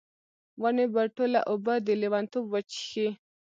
ونې به ټوله اوبه، د لیونتوب وچیښي